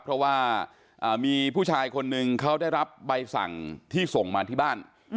เพราะว่ามีผู้ชายคนนึงเขาได้รับใบสั่งที่ส่งมาที่บ้าน